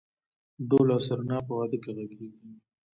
دهل او سرنا په واده کې غږیږي؟